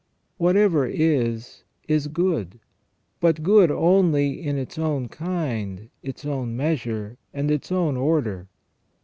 Whatever is, is good, but good only in its own kind, its own measure, and its own order.